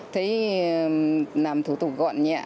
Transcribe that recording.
thấy làm thủ tục gọn nhẹ